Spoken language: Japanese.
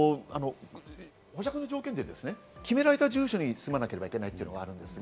保釈の条件で決められた住所に住まなければいけないというのがあります。